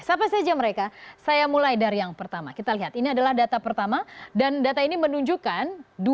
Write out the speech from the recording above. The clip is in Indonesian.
siapa saja mereka saya mulai dari yang pertama kita lihat ini adalah data pertama dan data ini menunjukkan